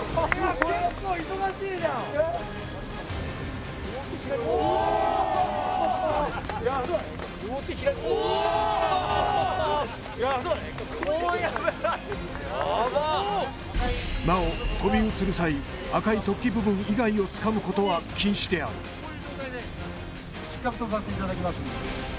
こうやばっなおとび移る際赤い突起部分以外をつかむことは禁止である失格とさせていただきます